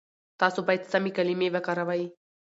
تاسو بايد سمې کلمې وکاروئ.